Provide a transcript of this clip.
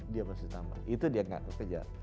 dia mesti tambah itu dia gak kekejar